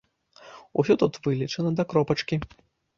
Усё тут вылічана да кропачкі.